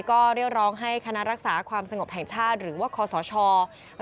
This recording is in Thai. ก็เรียกร้องให้คณะรักษาความสงบแห่งชาติหรือว่าคอสช